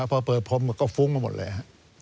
พอเปิดผมก็ฟุ้งมาหมดเลย